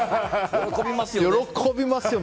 喜びますよ。